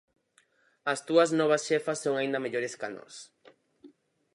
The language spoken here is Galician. As túas novas xefas son aínda mellores ca nós.